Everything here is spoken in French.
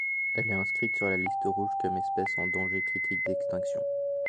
Elle est inscrite sur la liste rouge comme espèce en danger critique d'extinction.